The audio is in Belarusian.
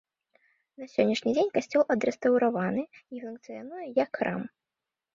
На сённяшні дзень касцёл адрэстаўраваны і функцыянуе як храм.